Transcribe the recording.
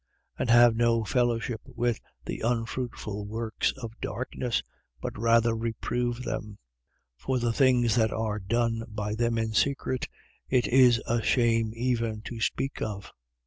And have no fellowship with the unfruitful works of darkness: but rather reprove them. 5:12. For the things that are done by them in secret, it is a shame even to speak of. 5:13.